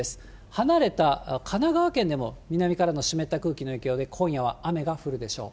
離れた神奈川県でも南からの湿った空気の影響で、今夜は雨が降るでしょう。